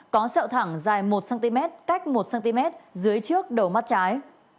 có sẹo thẳng dài một cm cách một cm dưới trước đầu mắt trái